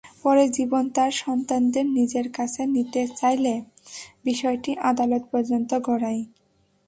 পরে জীবন তাঁর সন্তানদের নিজের কাছে নিতে চাইলে বিষয়টি আদালত পর্যন্ত গড়ায়।